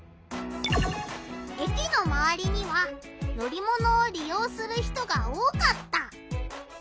駅のまわりには乗り物をりようする人が多かった。